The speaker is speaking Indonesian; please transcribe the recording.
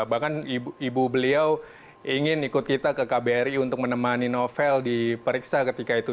bahkan ibu beliau ingin ikut kita ke kbri untuk menemani novel diperiksa ketika itu